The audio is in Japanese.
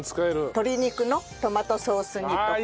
鶏肉のトマトソース煮とか。